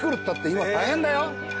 今大変だよ。